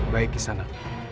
baik ke sana